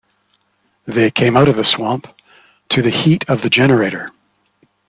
They came out of the swamp to the heat of the generator.